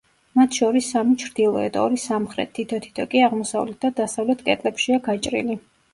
მათ შორის სამი ჩრდილოეთ, ორი სამხრეთ, თითო-თითო კი აღმოსავლეთ და დასავლეთ კედლებშია გაჭრილი.